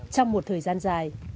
trong một thời gian dài